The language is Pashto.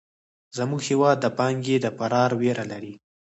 زموږ هېواد د پانګې د فرار وېره لري.